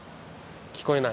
聞こえない？